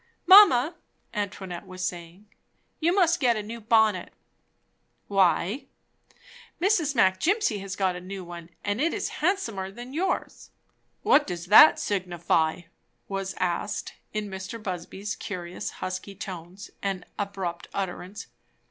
"Mamma," Antoinette was saying, "you must get a new bonnet." "Why?" "Mrs. Mac Jimpsey has got a new one, and it is handsomer than yours." "What does that signify?" was asked in Mr. Busby's curious husky tones and abrupt utterance.